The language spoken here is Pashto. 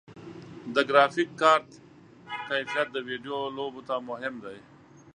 د ګرافیک کارت کیفیت د ویډیو لوبو ته مهم دی.